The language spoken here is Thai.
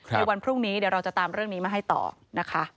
ในวันพรุ่งนี้เดี๋ยวเราจะตามเรื่องนี้มาให้ต่อนะคะ